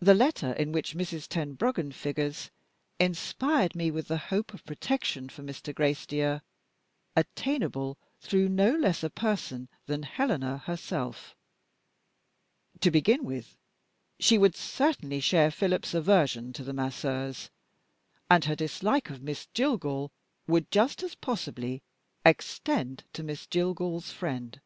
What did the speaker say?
The letter, in which Mrs. Tenbruggen figures, inspired me with the hope of protection for Mr. Gracedieu, attainable through no less a person than Helena herself. To begin with, she would certainly share Philip's aversion to the Masseuse, and her dislike of Miss Jillgall would, just as possibly, extend to Miss Jillgall's friend.